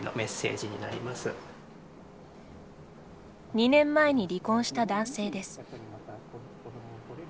２年前に離婚した男性です。